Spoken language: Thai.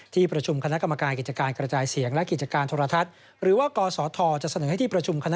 ที่ประชุมค